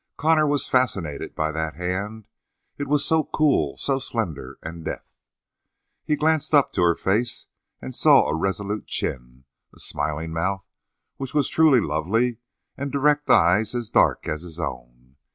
Connor was fascinated by that hand, it was so cool, so slender and deft. He glanced up to her face and saw a resolute chin, a smiling mouth which was truly lovely, and direct eyes as dark as his own.